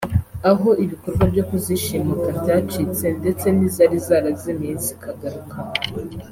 aho ibikorwa byo kuzishimuta byacitse ndetse n’izari zarazimiye zikagaruka